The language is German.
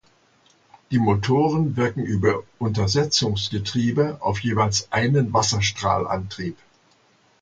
Die Motoren wirken über Untersetzungsgetriebe auf jeweils einen Wasserstrahlantrieb.